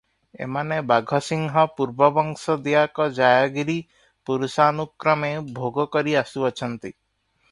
ଏମାନେ ବାଘସିଂହ ପୂର୍ବବଂଶ ଦିଆକ ଜାୟଗିରି ପୁରୁଷାନୁକ୍ରମେ ଭୋଗ କରି ଆସୁଅଛନ୍ତି ।